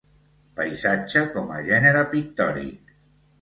Paisatge com a gènere pictòric.